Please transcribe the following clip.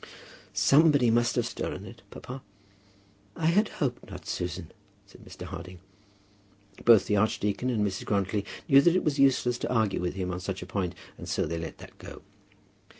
"Somebody must have stolen it, papa." "I had hoped not, Susan," said Mr. Harding. Both the archdeacon and Mrs. Grantly knew that it was useless to argue with him on such a point, and so they let that go.